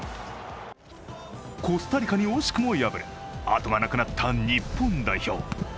コスタリカに惜しくも敗れ、あとがなくなった日本代表。